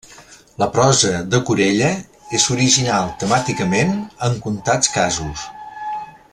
La prosa de Corella és original temàticament en comtats casos.